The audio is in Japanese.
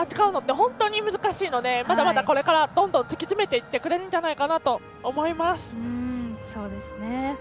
本当に難しいのでまだまだこれからどんどん突き詰めていってくれるんじゃないかなと思います。